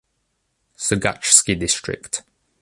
Sergachsky District.